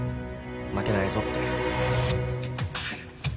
負けないぞって。